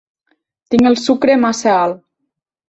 Tinc el sucre massa alt.